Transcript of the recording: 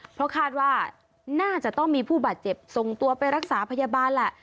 เพราะคาดว่าน่าจะต้องมีผู้บาดเจ็บส่งตัวไปรักษาพยาบาลแหละ